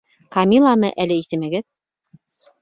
Камиламы әле исемегеҙ?